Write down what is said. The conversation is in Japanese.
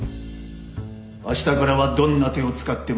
あしたからはどんな手を使ってもいい。